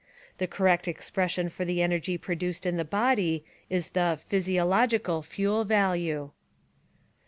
The correct expression for the energy produced in the body is the physiological fuel value.